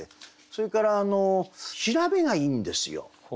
それから調べがいいんですよ。